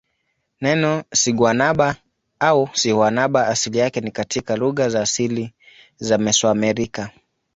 Neno siguanaba au sihuanaba asili yake ni katika lugha za asili za Mesoamerica.